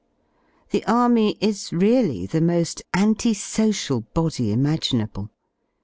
The Army is really the \ mo^ anti social body imaginable.